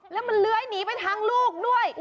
แล้วมันเลื้อยหนีไปทางลูกด้วย